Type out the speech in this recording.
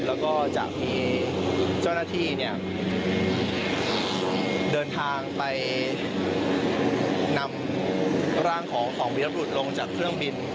แล้วก็จากที่เจ้าหน้าที่เนี่ยเดินทางไปนำร่างของสองวิทัพพุทธลงจากเครื่องบิน